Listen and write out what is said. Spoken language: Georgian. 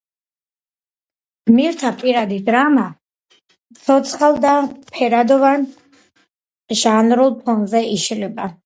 გმირთა პირადი დრამა ცოცხალ და ფერადოვან ჟანრულ ფონზე იშლება.